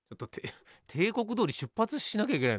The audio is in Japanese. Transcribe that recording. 定刻どおり出発しなきゃいけない。